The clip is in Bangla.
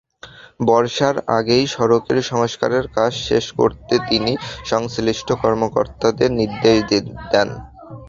বর্ষার আগেই সড়কের সংস্কারের কাজ শেষ করতে তিনি সংশ্লিষ্ট কর্মকর্তাদের নির্দেশ দেন।